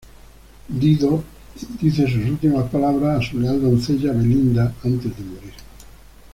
Dido dice sus últimas palabras a su leal doncella, Belinda, antes de morir.